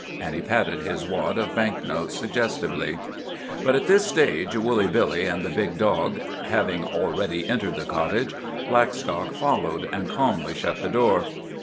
And he patted his wad of bank notes suggestively. But at this stage, Woolly Billy and the big dog having already entered the cottage, Blackstock followed, and calmly shut the door.